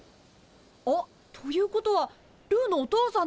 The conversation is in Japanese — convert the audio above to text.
あっということはルーのお父さんですか？